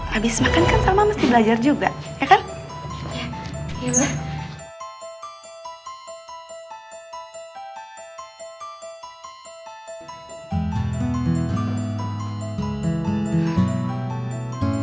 habis makan kan salma mesti belajar juga ya kan